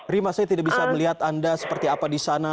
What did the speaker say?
rima saya tidak bisa melihat anda seperti apa di sana